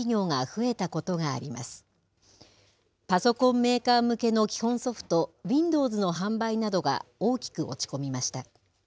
メーカー向けの基本ソフト、ウィンドウズの販売などが大きく落ち込みました。